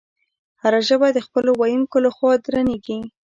هره ژبه د خپلو ویونکو له خوا درنیږي.